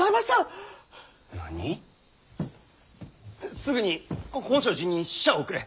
すぐに本證寺に使者を送れ。